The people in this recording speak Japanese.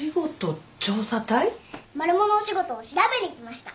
マルモのお仕事を調べに来ました。